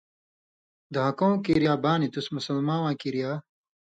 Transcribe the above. دھان٘کؤں کِریا بانیۡ تُس مُسلماں واں کِریا